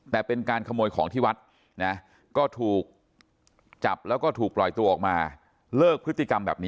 แต่เป็นการขโมยของที่วัดนะก็ถูกจับแล้วก็ถูกปล่อยตัวออกมา